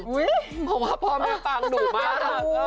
อุ๊ยเพราะว่าพ่อแม่ฟังดุมาก